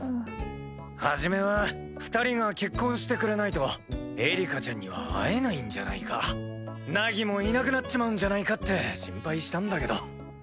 初めは２人が結婚してくれないとエリカちゃんには会えないんじゃないか凪もいなくなっちまうんじゃないかって心配したんだけど。